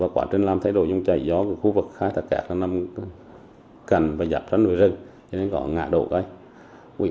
quá trình làm thay đổi rừng chảy do khu vực khai thác cát nằm cành và dập rất nhiều rừng nên có ngã độ đấy